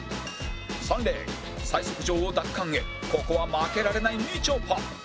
３レーン最速女王奪還へここは負けられないみちょぱ